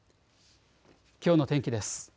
きょうの天気です。